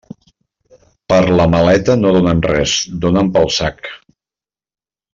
Per la maleta no donen res, donen pel sac.